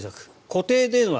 固定電話